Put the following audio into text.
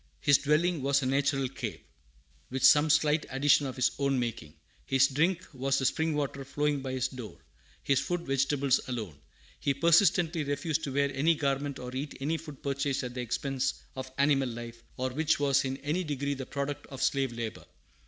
His dwelling was a natural cave, with some slight addition of his own making. His drink was the spring water flowing by his door; his food, vegetables alone. He persistently refused to wear any garment or eat any food purchased at the expense of animal life, or which was in any degree the product of slave labor.